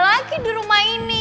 lagi di rumah ini